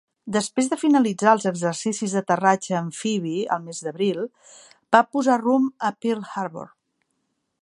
Després de finalitzar els exercicis d'aterratge amfibi el mes d'abril, va posar rumb a Pearl Harbor.